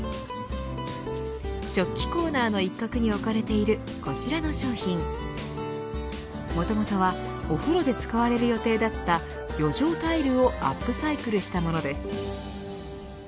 食器コーナーの一角に置かれているこちらの商品もともとはお風呂で使われる予定だった余剰タイルをアップサイクルしたものです。